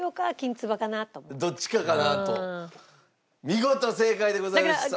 見事正解でございました。